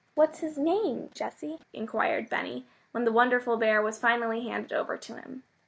"What's his name, Jessy?" inquired Benny, when the wonderful bear was finally handed over to him.